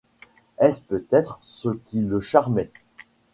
Est-ce peut-être ce qui le charmait ?